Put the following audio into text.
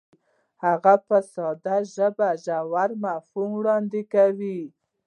هغه په ساده ژبه ژور مفاهیم وړاندې کوي.